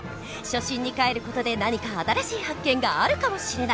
初心にかえる事で何か新しい発見があるかもしれない！